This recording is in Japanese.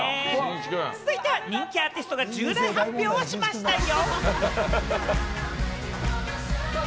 続いては人気アーティストが重大発表しましたよ。